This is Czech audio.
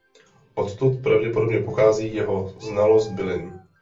Odtud pravděpodobně pochází jeho znalost bylin.